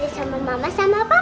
tante rosa ulang tahun